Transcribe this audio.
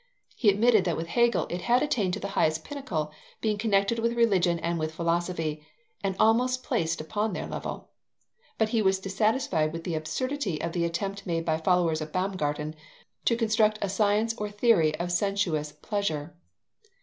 He admitted that with Hegel it had attained to the highest pinnacle, being connected with religion and with philosophy, and almost placed upon their level. But he was dissatisfied with the absurdity of the attempt made by the followers of Baumgarten to construct a science or theory of sensuous pleasure.